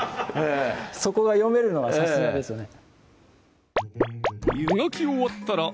そこが読めるのはさすがですよね